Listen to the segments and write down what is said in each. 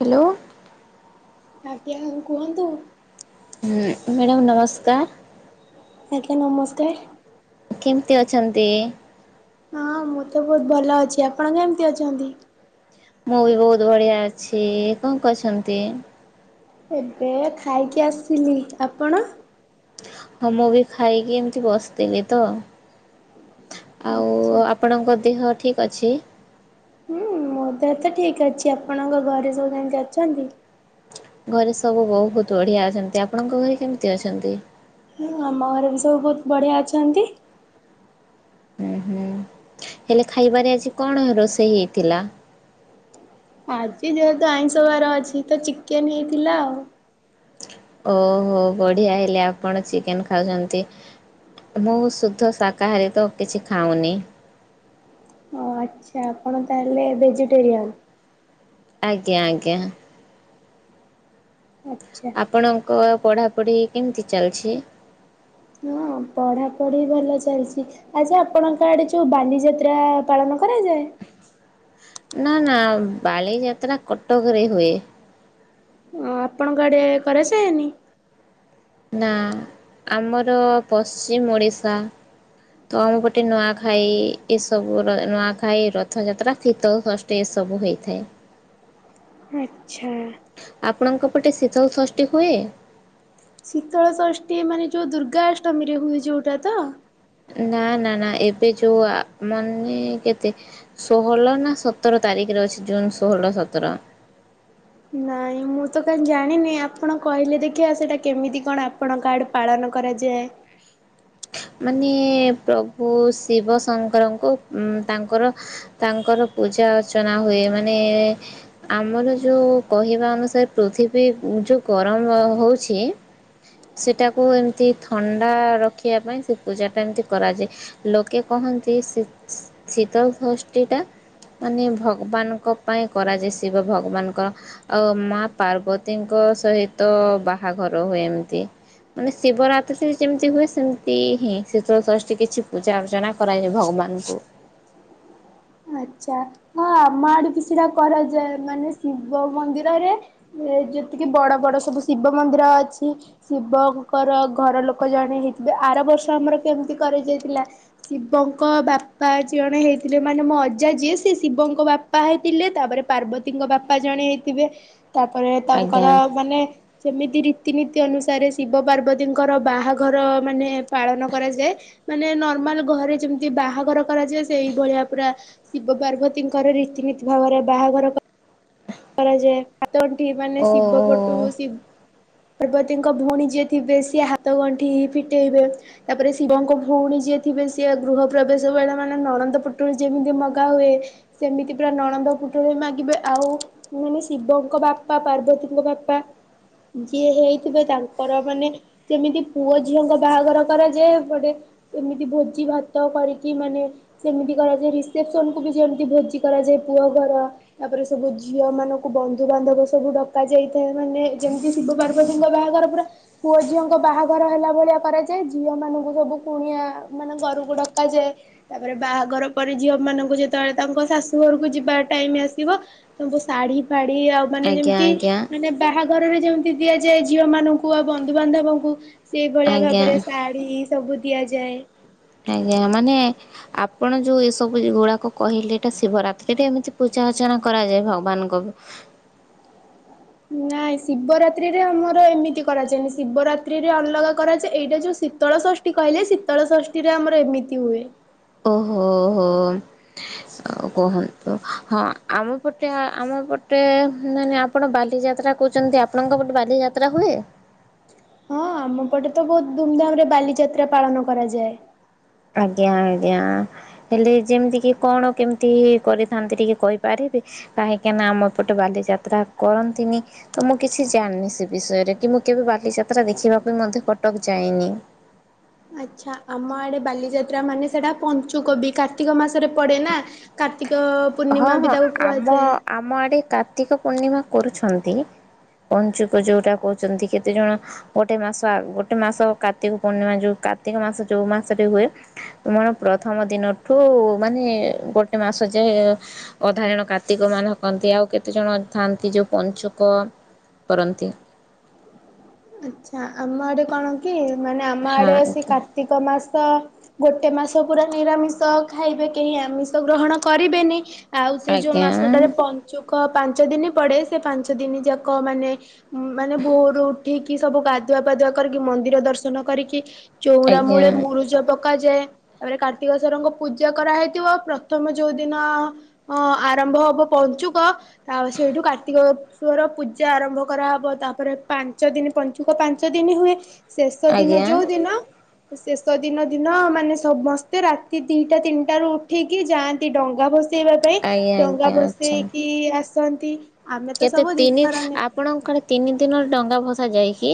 Hello. ଆଜ୍ଞା କୁହନ୍ତୁ। Madam ନମସ୍କାର। ଆଜ୍ଞା ନମସ୍ତେ। କେମିତି ଅଛନ୍ତି? ହଁ ମୁଁ ତ ବହୁତ ଭଲ ଅଛି ଆପଣ କେମିତି ଅଛନ୍ତି। ମୁଁ ବି ବହୁତ ବଢିଆ ଅଛି କଣ କରଛନ୍ତି? ଏବେ ଖାଇକି ଆସିଲି ଆପଣ? ହଁ ମୁଁ ବି ଖାଇକି ଏମିତି ବସିଥିଲି ତ ଆଉ ଆଚ୍ଛା। ଆପଣଙ୍କ ଦେହ ଠିକ୍ ଅଛି। ହୁଁ ମୋ ଦେହ ତ ଠିକ ଅଛି ଆପଣଙ୍କ ଘରେ ସବୁ କେମତି ଅଛନ୍ତି? ଘରେ ସବୁ ବହୁତ ବଢିଆ ଅଛନ୍ତି ଆପଣଙ୍କ ଘରେ କେମିତି ଅଛନ୍ତି? ଆମ ଘରେ ବି ସବୁ ବହୁତ ବଢିଆ ଅଛନ୍ତି। ହୁଁ ହୁଁ ହେଲେ ଖାଇବାରେ ଆଜି କଣ ରୋଷେଇ ହେଇଥିଲା। ଆଜି ଯେହେତୁ ଆଇଁଷ ବାର ଅଛି ତ ଚିକେନ ହେଇଥିଲା ଆଉ। ଓହୋ ବଢିଆ ହେଲେ ଆପଣ ଚିକେନ ଖାଉଛନ୍ତି ମୁଁ ସୁଧ ଶାକାହାରୀ ତ କିଛି ଖାଉନି ଓ ଆଚ୍ଛା ଆପଣ ତାହେଲେ ଭେଜିଟେରିୟାନ୍ ଆଜ୍ଞା ଆଜ୍ଞା। ଆଚ୍ଛା। ଆପଣଙ୍କ ପଢାପଢି କେମିତି ଚାଲିଛି? ହଁ ପଢାପଢି ଭଲ ଚାଲିଛି ଆଚ୍ଛା ଆପଣଙ୍କ ଆଡେ ଯୋଉ ବାଲି ଯାତ୍ରା ପାଳନ କରାଯାଏ। ନା ନା ବାଲିଯାତ୍ରା କଟକରେ ହୁଏ। ଓ ଆପଣଙ୍କ ଆଡେ କରା [unintelligible] ନା ଆମର ପଶ୍ଚିମ ଓଡ଼ିଶା ତ ଆମପଟେ ନୂଆଖାଇ ଏସବୁ ନୂଆଖାଇ ରଥଯାତ୍ରା ଶୀତଳ ଷଷ୍ଠୀ ଏସବୁ ହୋଇଥାଏ। ହୁଁ। ଆଚ୍ଛା। ଆପଣଙ୍କ ପଟେ ଶୀତଲ ସଷ୍ଟି ହୁଏ ଶୀତଳଷଷ୍ଠୀ ମାନେ ଯୋଉ ଦୁର୍ଗା ଅଷ୍ଟମୀ ରେ ହୁଏ ଯୋଉଟା ତ? ନା ନା ନା ଏବେ ଯୋଉ ଆ ମାନେ କେତେ ଷୋହଳ ନା ସତର ତାରିଖରେ ଅଛି ଜୁନ ଷୋହଳ ସତର। ନାଇଁ ମୁଁ ତ କାହିଁ ଜାଣିନି ଆପଣ କହିଲେ ଦେଖିବା ସେଇଟା କେମିତି କଣ ଆପଣ କାଡେ ପାଳନ କରାଯାଏ। ମାନେ ପ୍ରଭୁ ଶିବ ଶଙ୍କରଙ୍କୁ ଉମ୍ ତାଙ୍କର ତାଙ୍କର ପୂଜା ଅର୍ଚ୍ଚନା ହୁଏ ମାନେ ଆମର ଯେଉଁ କହିବା ଅନୁସାରେ ପୃଥିବୀ ଯୋ ଗରମ ହେଉଛି ସେଟାକୁ ଏମିତି ଥଣ୍ଡା ରଖ ଦେଖିବା ପାଇଁ ସେ ପୂଜା ଟା ଏମିତି କରାଯାଏ ଲୋକେ କହନ୍ତି ଶୀତ ଶୀତଳ ଶଷ୍ଟିଟା ମାନେ ଭଗବାନଙ୍କ ପାଇଁ କରାଯାଏ ଶିବ ଭଗବାନଙ୍କ ଆଉ ମା ପାର୍ବତୀଙ୍କ ସହିତ ବାହାଘର ହୁଏ ଏମତି ମାନେ ଶିବରାତି ଯେମିତି ହୁଏ। ସେମିତି ହିଁ ଶୀତଳ ଷଷ୍ଠୀ କିଛି ପୂଜା ଅର୍ଚ୍ଚନା କରାଯାଏ ଭଗବାନଙ୍କୁ। ଆଛା ହଁ ଆମ ଆଡେ କି ସେଟା କରାଯାଏ ମାନେ ଶିବ ମନ୍ଦିରରେ ଯେତିକି ବଡ ବଡ ସବୁ ଶିବ ମନ୍ଦିର ଅଛି ଶିବଙ୍କର ଘର ଲୋକ ଜଣେ ହେଇଥିବେ ଆର ବର୍ଷ ଆମର କେମିତି କରାଯାଇଥିଲା ଶିବଙ୍କ ବାପା ଜଣେ ହେଇଥିଲେ ମାନେ ମୋ ଅଜା ଯିଏ ସେି ଶିବଙ୍କ ବାପା ହେଇଥିଲେ ତାପରେ ପାର୍ବତୀଙ୍କ ବାପା ଜଣେ ହେଇଥିବେ ତାପରେ ତାଙ୍କର ଆଜ୍ଞା ମାନେ ଯେମିତି ରୀତିନୀତି ନିତି ଅନୁସାରେ ଶିବ ପାର୍ବତୀଙ୍କର ବାହାଘର ମାନେ ପାଳନ କରାଯାଏ। ମାନେ ନର୍ମାଲ ଘରେ ଯେମିତି ବାହାଘର କରାଯାଏ। ସେଇ ଭଳିଆ ପୁରା ଶିବ ପାର୍ବତୀଙ୍କର ରୀତିନୀତି ଭାବରେ ବାହାଘର କ କରାଯାଏ। ଆ ତଣ୍ଠି ମାନେ ଓ ଶିବ ପଟୁ ଶି ପାର୍ବତୀଙ୍କ ଭଉଣୀ ଯିଏ ଥିବେ ସିଏ ହାତ ଗଣ୍ଠିି ଫିଟେଇବେ, ତାପରେ ଶିବଙ୍କ ଭଉଣୀ ଯିଏ ଥିବେ ସିଏ ଗୃହ ପ୍ରବେଶ ବେଳ ମାନେ ନଣନ୍ଦ ପୁଟୁଳି ଯେମିତି ମଗା ହୁଏ ସେମିତି ପୁରା ନଣନ୍ଦ ପୁଟୁଳି ମାଗିବେ ଆଉ ମାନେ ଶିବଙ୍କ ବାପା ପାର୍ବତୀଙ୍କ ବାପା ଯିଏ ହେଇଥିବେ ତାଙ୍କର ମାନେ ଯେମିତି ପୁଅ ଝିଅଙ୍କ ବାହାଘର କରାଯାଏ, ଏପଟେ ସେମିତି ଭୋଜି ଭାତ କରିକି ମାନେ ସେମିତି କରାଯାଏ, ରିସେପସନ୍ କୁୁ ବି ଯେମିତି ଭୋଜି କରାଯାଏ ପୁଅ ଘର ତାପରେ ସବୁ ଯ ଝିଅ ମାନଙ୍କୁ ବନ୍ଧୁ ବାନ୍ଧବ ସବୁ ଡକା ଯାଇଥାଏ, ମାନେ ଯେମିତି ଶିବ ପାର୍ବତୀଙ୍କ ବାହାଘର ପୁରା ପୁଅ ଝିଅଙ୍କ ବାହାଘର ହେଲା ଭଳିଆ କରାଯାଏ, ଝିଅ ମାନଙ୍କୁ ସବୁ କୁଣିଆ ମାନେ ଘରକୁ ଡକା ଯାଏ, ତାପରେ ବାହାଘର ପରେ ଝିଅ ମାନଙ୍କୁ ଯେତେବେଳେ ତାଙ୍କ ଶାଶୁ ଘରକୁ ଯିବା ଟାଇମ୍ ଆସିବ ତୁମ୍ବୁ ଶାଢୀ ଫା ଢି ଆଉ ମାନେ ଆଜ୍ଞା ଯେମତି ଆଜ୍ଞା ମାନେ ବାହା ଘରରେ ଯେମିତି ଦିଆଯାଏ ଝିଅ ମାନଙ୍କୁ ଆଉ ବନ୍ଧୁ ବାନ୍ଧବଙ୍କୁ ସେଇ ଭଳିଆ ଆଜ୍ଞା ଭାବରେ ଶାଢୀ ସବୁ ଦିଆଯାଏ। ଆଜ୍ଞା, ମାନେ ଆପଣ ଯୋଉ ଏ ସବୁ ଯୋ ଗୁଡାକ କହିଲେ ଏଟା ଶିବରାତ୍ରିରେ ଏମିତି ପୂଜା ଅର୍ଚ୍ଚନା କରାଯାଏ ଭଗବାନଙ୍କ ନାଇଁ ଶିବରାତ୍ରିରେ ଆମର ଏମିତି କରାଯାଏନି, ଶିବରାତ୍ରିରେ ଅଲଗା କରାଯାଏ, ଏଇଟା ଯୋଉ ଶୀତଳ ଷଷ୍ଠୀ କହିଲେ ଶୀତଳ ଷଷ୍ଠୀ ରେ ଆମର ଏମିତି ହୁଏ। ଓ ହୋ ହୋ ଆଉ କୁହନ୍ତୁ ହଁ ଆମ ପଟେ ଆମ ପଟେ ମାନେ ଆପଣ ବାଲିଯାତ୍ରା କହୁଚନ୍ତି, ଆପଣଙ୍କ ପଟେ ବାଲିଯାତ୍ରା ହୁଏ? ହଁ ଆମ ପଟେ ତ ବହୁତ ଧୁମଧାମ୍ ରେ ବାଲିଯାତ୍ରା ପାଳନ କରାଯାଏ। ଆଜ୍ଞା ଆଜ୍ଞା ହେଲେ ଯେମିତି କି କଣ କେମିତି କରିଥାନ୍ତି ଟିକେ କହିପାରିବେ? କାହିଁକି ନା ଆମ ଏପଟେ ବାଲିଯାତ୍ରା କରନ୍ତିନି, ତ ମୁଁ କିଛି ଜାଣିନି ସେ ବିଷୟରେ କି ମୁଁ କେବେ ବାଲିଯାତ୍ରା ଦେଖିବା ପାଇଁ ମଧ୍ୟ କଟକ ଯାଇନି। ଆଚ୍ଛା ଆମ ଆଡେ ବାଲିଯାତ୍ରା ମାନେ ସେଟା ପଞ୍ଚୁକୋବି କାର୍ତ୍ତିକ ମାସରେ ପଡେ ନା, କାର୍ ହଁ ହଁ ଆମ ଆମ ଆଡେ କାର୍ତ୍ତିକ ପୂର୍ଣ୍ଣିମା କରୁଛନ୍ ତି ପଞ୍ଚୁକ ଯୋଉଟା କହୁଚନ୍ତି, କେତେ ଜଣ ଗୋଟେ ମାସ ଗୋଟେ ମାସ କାର୍ତ୍ତିକ ପୂର୍ଣ୍ଣିମା ଯୋଉ କାର୍ତ୍ତିକ ମାସ ଯୋଉ ମାସରେ ହୁଏ, ମୋର ପ୍ରଥମ ଦିନଠୁ ମାନେ ଗୋଟେ ମାସ ଯେ ଅଧା ଜଣ କାର୍ତ୍ତିକ ମାନେ କହନ୍ତି, ଆଉ କେତେ ଜଣ ଥାଆନ୍ତି ଯୋଉ ପଞ୍ଚୁକ କରନ୍ତି। ଆଚ୍ଛା ଆମ ଆଡେ କଣ କି ମାନେ ଆମ ହଁ ଆଡ଼େ ସେଇ ଆଜ୍ଞା କାର୍ତ୍ତିକ ମାସ୍ ତ ଗୋଟେ ମାସ ପୁରା ନିରାମିଷ ଖାଇବେ କେହି ଆମିଷ ଗ୍ରହଣ କରିବେନି। ଆଉ ସେଇ ଯୋଉ ଆଜ୍ଞା ମାସଟାରେ ପଞ୍ଚୁ କ ପାଞ୍ଚ ଦିନ ପଡେ ସେ ପାଞ୍ଚ ଦିନ ଯାକ ମାନେ ମାନେ ଭୋରୁ ଉଠିକି ସବୁ ଗାଧୁଆ ପାାଧୁଆ କରିକି ମନ୍ଦିର ଦର୍ଶନ କରିକି। ଚୋଉରା ଆଜ୍ଞା ମୂଳେ ମୁରୁଜ ପ କାଯାଏ, ତାପରେ କାର୍ତ୍ତିକଶ୍ବରଙ୍କ ପୂଜା କରାହେଇଥିବ, ପ୍ରଥମ ଯୋଉ ଦିନ ଅଁ, ଆରମ୍ଭ ହବ ପଞ୍ଚୁକ ତା ସେଇଠୁ କାର୍ତ୍ତିକଶ୍ୱର ପୂଜା ଆରମ୍ଭ କରାହବ, ତାପରେ ପା ଞ୍ଚ ଦିନ ପଞ୍ଚୁକ ପାଞ୍ଚ ଦିନ ହୁଏ। ଶେଷ ଦିନ ଆଜ୍ଞା ଯୋଉ ଦିନ ଶେଷ ଦିନ ଦିନ ମାନେ ସମସ୍ତେ ରାତି ଦିଟା ତିନିଟା ରୁ ଉଠିକି ଯାଆନ୍ତି ଡଙ୍ଗା ଭସ ସେଇବା ପାଇଁ ଆଜ୍ଞା ଡଙ୍ଗା ଆଜ୍ଞା ଆଚ୍ଛା। ବସେଇକି ଆସ ସନ୍ତି। କେତେ ତିନି ଆପଣଙ୍କ ଆଡେ ତିନି ଦିନରେ ଡଙ୍ଗା ଭସା ସ ଯାଇକି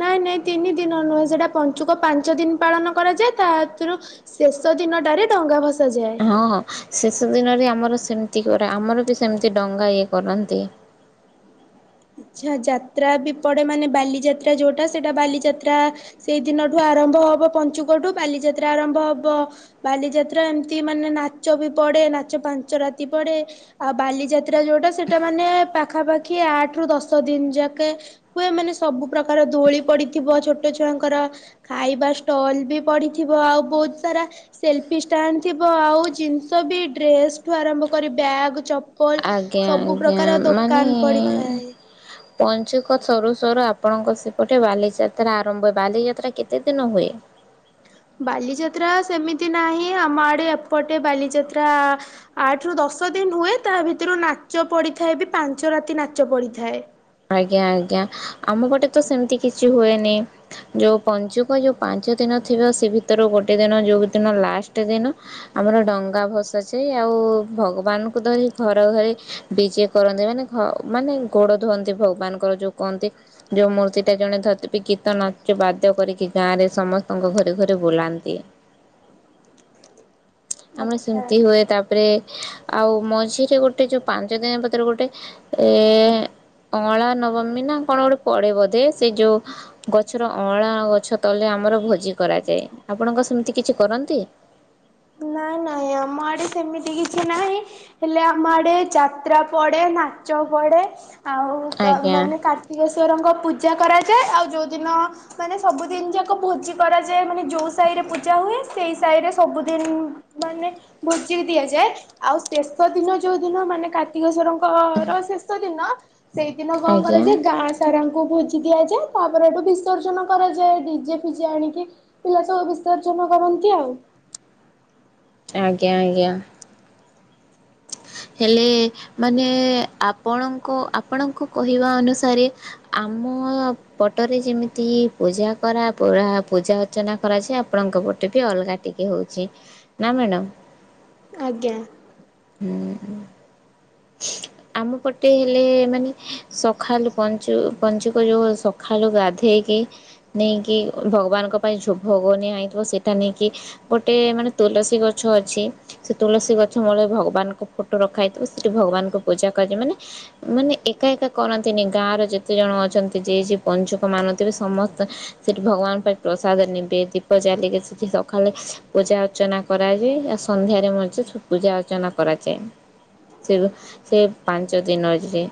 ନାଇଁ ନାଇଁ ତିନି ଦିନ ନୁହେଁ ସେଟା ପଞ୍ଚୁକ ପାଞ୍ଚ ଦିନ ପାଳନ କରାଯାଏ ତାଥିରୁ ଶେଷ ଦିନଟାରେ ଡଙ୍ଗା ଭସା ହଁ ହଁ ଶେଷ ଦିନରେ ଆମର ସେମିତି କରେ ଆମର ବି ସେମିତି ଡଙ୍ଗା ଇଏ କରନ୍ତି। ଆଛା ଯାତ୍ରା ବି ପଡେ ମାନେ ବାଲିଯାତ୍ରା ଯୋଉଟା ସେଟା ବାଲିଯାତ୍ରା ସେଇଦିନଠୁ ଆରମ୍ଭ ହବ ପଞ୍ଚୁକଠୁ ବାଲିଯାତ୍ରା ଆରମ୍ଭ ହବ ବାଲିଯାତ୍ରା ଏମିତି ମାନେ ନାଚ ବି ପଡେ ନାଚ ପାଞ୍ଚ ରାତି ପଡେ ଆଉ ବାଲିଯାତ୍ରା ଯୋଉଟା ସେଟା ମାନେ ପାଖାପାଖି ଆଠ ଦଶ ଦିନ ଯାକେ ହୁଏ ମାନେ ସବୁ ପ୍ରକାର ଦୋଳି ପଡିଥିବ ଛୋଟ ଛୁଆଙ୍କର ଖାଇବା ଷ୍ଟଲ ବି ପଡିଥିବ ଆଉ ବହୁତ ସାରା ସେଲଫି ଷ୍ଟାଣ୍ଡ ଥିବ ଆଉ ଜିନିଷ ବି ଡ୍ରେସଠୁ ଆରମ୍ଭ କରି ବ୍ୟାଗ ଆଜ୍ଞା ସବୁ ଆଜ୍ଞା ପ୍ରକାର ମାନେ ଦୋକାନ ପଡିଥାଏ। ପଞ୍ଚୁକ ସରୁ ସରୁ ଆପଣଙ୍କ ସେପଟେ ବାଲିଯାତ୍ରା ଆରମ୍ଭ ହଏ ବାଲିଯାତ୍ରା କେତେ ଦିନ ହୁଏ ବାଲିଯାତ୍ରା ସେମିତି ନାହିଁ ଆମ ଆଡେ ଏପଟେ ବାଲିଯାତ୍ରା ଆଠ ରୁ ଦଶ ଦିନ ହୁଏ ତା ଭିତରୁ ନାଚ ପଡିଥାଏ ବି ପାଞ୍ଚ ରାତି ନାଚ ପଡିଥାଏ। ଆଜ୍ଞା ଆଜ୍ଞା ଆମ ଗଟେ ତ ସେମିତି କିଛି ହୁଏନି ଯୋଉ ପଞ୍ଚୁକ ଯୋଉ ପାଞ୍ଚ ଦିନ ଥିବ ସେ ଭିତରୁ ଗୋଟେ ଦିନ ଯୋଉ ଦିନ ଲାଷ୍ଟ ଦିନ ଆମର ଡଙ୍ଗା ଭସାାଯାଇ ଆଉ ଭଗବାନଙ୍କୁ ଧରି ଘରେ ଘରି ବିଜେ କରନ୍ତି ମାନେ ମାନେ ଗୋଡ ଧୁଅନ୍ତି ଭଗବାନଙ୍କର ଯୋଉ କହନ୍ତି ଯୋଉ ମୂର୍ତ୍ତିଟା ଜଣେ ଧତି ଗୀତ ନାଚ ବାଦ୍ୟ କରିକି ଗାଁ ରେ ସମସ୍ତଙ୍କ ଘରେ ଘରେ ବୁଲାନ୍ତି। ଆମର ଆଚ୍ଛା। ଶମତି ହୁଏ ତାପରେ- ଆଉ ମଝିରେ ଗୋଟେ ଯୋଉ ପାଞ୍ଚ ଦିନ ଭିତରେ ଗୋଟେ ଏ ଅଁଳା ନବମୀ ନା କଣ ଗୋଟେ ପଡେ ବୋଧେ ସେ ଯୋଉ ଗଛର ଅଁଳା ଗଛ ତଲେ ଆମର ଭୋଜି କରାଯାଏ। ଆପଣଙ୍କ ସେମିତି କିଛି କରନ୍ତି? ନାଇଁ ନାଇଁ ଆମ ଆଡେ ସେମିତି କିଛି ନାହିଁ ହେଲେ ଆମ ଆଡେ ଯାତ୍ରା ପଡେ ନାଚ ପଡେ ଆଉ ଆଜ୍ଞା ମାନେ କାର୍ତ୍ତିକେଶ୍ଵରଙ୍କ ପୂଜା କରାଯାଏ ଆଉ ଦିନ ମାନେ ସବୁଦିନ ଯାକ ଭୋଜି କରାଯାଏ ମାନେ ଯୋଉ ସାହି ରେ ପୂଜା ହୁଏ ସେଇ ସାହି ରେ ସବୁଦିନ ମାନେ ଭୋଜି ଦିଆଯାଏ ଆଉ ଶେଷ ଦିନ ଯୋଉ ଦିନ ମାନେ କାର୍ତ୍ତିକେଶ୍ୱଵରଙ୍କର ଶେଷ ଦିନ ସେଇଦିନ କଣ ଆଜ୍ଞା କରାଯଏ ଗାଁ ସାରାଙ୍କୁ ଭୋଜି ଦିଆଯାଏ। ତା ଏଠୁ ବିସର୍ଜନ କରାଯାଏ ଡିଜେ ଫିଜେ ଆଣିକି ପିଲା ସବୁ ବିସର୍ଜନ କରନ୍ତି ଆଉ। ଆଜ୍ଞା ଆଜ୍ଞା। ହେଲେ ମାନେ ଆପଣଙ୍କ ଆପଣଙ୍କ କହିବା ଅନୁସାରେ ଆମ ପଟରେ ଯେମିତି ପୂଜା କରା ପୁରା ପୂଜା ଅର୍ଚ୍ଚନା କରାଯାଏ ଆପଣଙ୍କ ପଟେ ବି ଅଲଗା ଟିକେ ହଉଛି ନା ମ୍ୟାଡ଼ାମ। ଆଜ୍ଞା। ହୁଁ [inaudible] ଆମ ପଟେ ହେଲେ ମାନେ ସଖାଳୁ ପଞ୍ଚୁ ପଞ୍ଚୁକ ଯୋଉ ସକାଳୁ ଗାଧୁ ହେେଇକି ନେଇକି ଭଗବାନଙ୍କ ପାଇଁ ଭୋଗନଆ ଆଇଥିବ ସେଇଟା ନେଇକି ଗୋଟେ ମାନେ ତୁଳସୀ ଗଛ ଅଛି ସେ ତୁଳସୀ ଗଛ ମୂଳ ଭଗବାନଙ୍କ ଫଟୋ ରଖା ହେଇଥିବ। ସେଠି ଭଗବାନଙ୍କୁ ପୂଜା କରାଯାଏ ମାନେ ମାନେ ଏକା ଏକା କରନ୍ତିନି ଗାଁର ଯେତେ ଜଣ ଅଛନ୍ତି ଯିଏ ଯିଏ ପଞ୍ଚୁକ ମାନୁ ଥିବେ ସମସ୍ତେ ସେଠି ଭଗବାନ ପାଇଁ ପ୍ରସାଦ ନେବେ ଦୀପ ଜାଲିକି ସେଠି ସକାଳେ ପୂଜା ଅର୍ଚ୍ଚନା କରାଯାଏ ଆଉ ସନ୍ଧ୍ୟାରେ ମଧ୍ୟ ପୂଜା ଅର୍ଚ୍ଚନା କରାଯାଏ। ସେ ସେ ପାଞ୍ଚ ଦିନରେ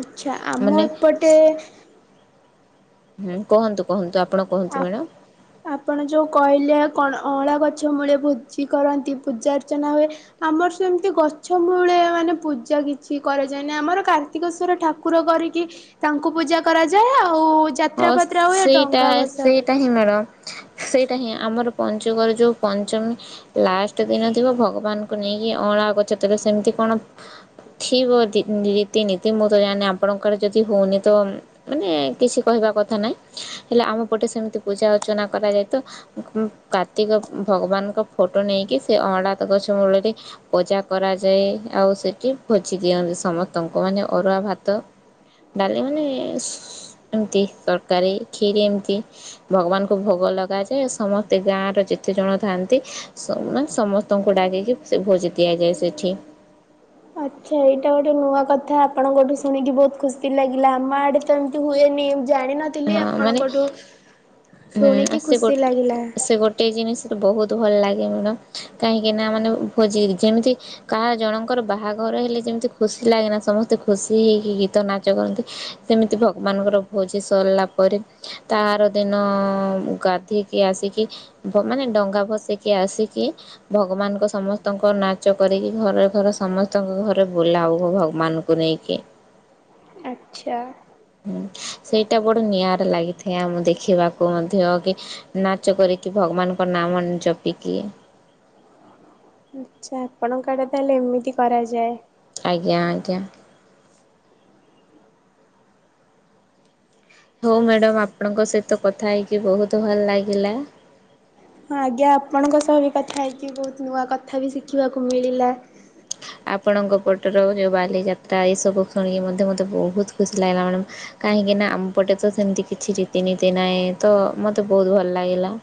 ଆଛା ଆମ ମାନେ ଏପଟେ ହୁଁ କୁହନ୍ତୁ କୁହନ୍ତୁଣ [inaudible] ଆ ଆପଣ ଯୋଉ କହିଲେଣ ଅଁଳା କଛ ଗଛ ମୂଳେ ପୋଜି କରନ୍ତି ପୂଜ ଅଚ୍ଚନା ହୁଏ ଆମର ସେମିତି ଗଛ ମୂଳେ ମାନେ ପୂଜା କିଛି କରାଯାଏନହି ଆମର କାର୍ତ୍ତିକେଶଵର ଠାକୁର କରିକି ତାଙ୍କୁ ପୂଜା କରାଯାଏ ଆଉ ଆଉ ଯାତ୍ରା ହଁ ପାତ୍ରା ହୁଏ ସେଇଟା ଡଙ୍ଗା ଭସ ସେଇଟା ହିଁ ମ୍ୟାଡ଼ମ୍ ସେଇଟା ହିଁ ଆମ ଆମର ପଞ୍ଚକର ଯୋଉ ପଞ୍ଚମୀ ଲାଷ୍ଟ ଦିନ ଥିବ ଭଗବାନଙ୍କୁ ନେଇକି ଅଳା ଗଛ ତବେ ସେମିତି କଣ ଥିବ ରୀତିନୀତି ମୁଁ ତ ଜାଣି ଆପଣଙ୍କର ଯଦି ହଉନି ତ ମାନେ କିଛି କହିବା କଥା ନାହିଁ ହେଲେ ଆମ ପଟେ ସେମିତି ପୂଜା ଅର୍ଚ୍ଚନା କରାଯାଏ ତ କାର୍ତ୍ତିକ ଭଗବାନଙ୍କ ଫଟୋ ନେଇକି ସେ ଅଁଳା ଗଛ ମୂଳରେ ପୂଜା କରାଯାଏ ଆଉ ସେଠି ଭୋଜି ଦିଅନ୍ତି ସମସ୍ତଙ୍କୁ ମାନେ ଅରୁଆ ଭାତ ଡାଲି ମାନେ ଏମତି ତରକାରୀ କ୍ଷୀରି ଏମିତି ଭଗବାନଙ୍କୁ ଭୋଗ ଲଗାଯାଏ ସମସ୍ତେ ଗାଁର ଯେତେ ଜଣ ଥାଆନ୍ତି ମାନେ ସମସ୍ତଙ୍କୁ ଡାକିକି ସେ ଭୋଜି ଦିଆଯାଏ ସେଠି ଆଚ୍ଛା ଏଇଟା ଗୋଟେ ନୂଆ କଥା ଆପଣଙ୍କୋଠୁ ଶୁଣିକି ବହୁତ ଖୁସି ଲାଗିଲା ଆମ ଆଡେ ତ ଏମିତି ହୁଏନି। ଜାଣିନଥିଲି ହଁ ମାନେ ଆପଣଙ୍କଠୁ ହୁଁ ଆ ଶୁଣିକି ସେ ଖୁସି ଗୋଟେ ଲାଗିଲା। ସେ ଗୋଟେ ଜିନିଷ ସେଠୁ ବହୁତ ଭଲ ଲାଗେ ମ୍ୟାଡ଼ାମ କାହିଁକି ନା ମାନେ ଭୋଜି ଯେମିତି କାହା ଜଣଙ୍କର ବାହାଘର ହେଲେ ଯେମିତି ଖୁସି ଲାଗେନା ସମସ୍ତେ ଖୁସି ହେଇକି ଗୀତ ନାଚ କରନ୍ତି ସେମିତି ଭଗବାନଙ୍କର ଭୋଜି ସରିଲା ପରେ ତାର ଦିନ ଦିନ ଗାଧିକି ଆସିକି ମାନେ ଡଙ୍ଗା ଭସିକି ଆସିକି ଭଗବାନଙ୍କ ସମସ୍ତଙ୍କ ନାଚ କରିକି ଘରେ ଘରେ ସମସ୍ତଙ୍କ ଘରେ ବୁଲା ହ ଭଗବାନଙ୍କୁ ନେଇକି ଆଛା ଉଁ ସେଇଟା ବଡ ନିଆରା ଲାଗିଥାଏ ଆମ ଦେଖିବାକୁ ମଧ୍ୟ କି ନାଚ କରିକି ଭଗବାନଙ୍କ ନାମ ଜପିକି ଆଚ୍ଛା ଆପଣଙ୍କ ଆଡେ ତାହେଲେ ଏମିତି କରାଯାଏ। ଆଜ୍ଞା ଆଜ୍ଞା ହଉ ମ୍ୟାଡ଼ାମ ଆପଣଙ୍କ ସହିତ କଥା ହେଇକି ବହୁତ ଭଲ ଲାଗିଲା। ହଁ ଆଜ୍ଞା ଆପଣଙ୍କ ସହ ବି କଥା ହେଇଛିି ବହୁତ ନୂଆ କଥା ବି ଶିଖିବାକୁ ମିଳିଲା। ଆପଣଙ୍କ ପଟର ଯେଉଁ ବାଲିଯାତ୍ରା ଏସବୁ ଶୁଣିକି ମଧ୍ୟ ମୋତେ ବହୁତ ଖୁସି ଲାଗିଲା ମ୍ୟାଡ଼ମ୍ କାହିଁକିନା ଆମ ପଟେ ତ ସେମିତି କିଛି ରୀତିନୀତି ନାହିଁ ତ ମୋତେ ବହୁତ ଭଲ ଲାଗିଲା।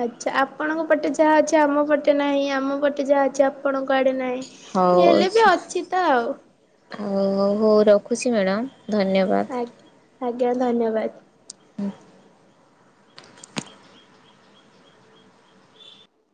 ଆଚଛା ଆପଣଙ୍କ ପଟେ ଯାହା ଅଛି ଆମ ପଟେ ନାହିଁ ଆମ ପଟେ ଯାହା ଅଛି ଆପଣଙ୍କ କୁଆଡେ ନାାଇଁ ହେଲେ ବି ଅଛି ତ ଆଉ ହଉ ହଉ ରଖୁଛି ମ୍ୟାଡ଼ାମ ଧନ୍ୟବାଦ। ଆଜା ଆଜ୍ଞା ଧନ୍ୟବାଦ ହୁଁ